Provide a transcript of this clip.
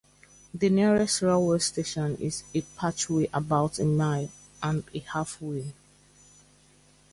The nearest railway station is at Patchway about a mile and a half away.